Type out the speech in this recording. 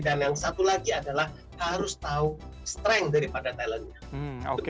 dan yang satu lagi adalah harus tahu strength daripada talentnya